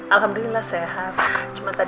alhamdulillah sehat cuma kena sakit